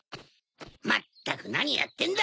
まったくなにやってんだ！